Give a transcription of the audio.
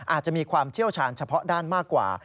อาจจะมีความเชี่ยวชาญเฉพาะด้านมากกว่า